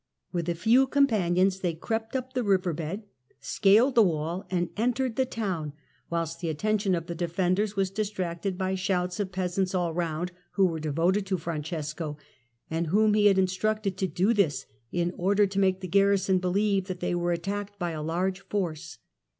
With a few companions he crept up the river bed, scaled the wall and entered the town, whilst the attention of the defenders was distracted by shouts of peasants all round, who were devoted to Francesco, and whom he had instructed to do this in order to make the garri son believe that they were attacked by a large force.